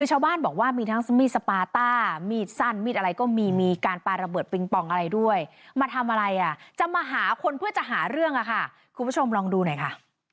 ชาวบ้านบอกว่ามีทั้งมีดสปาต้ามีดสั้นมีดอะไรก็มีมีการปาระเบิดปิงปองอะไรด้วยมาทำอะไรอ่ะจะมาหาคนเพื่อจะหาเรื่องอ่ะค่ะคุณผู้ชมลองดูหน่อยค่ะ